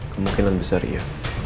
kemungkinan besar iya